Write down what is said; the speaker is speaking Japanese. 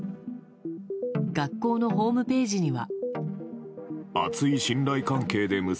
学校のホームページには。